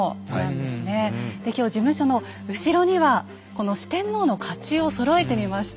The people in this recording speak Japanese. で今日事務所の後ろにはこの四天王の甲冑をそろえてみました。